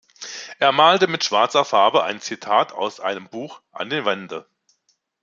Er malte mit schwarzer Farbe ein Zitat aus einem Buch an die Wände.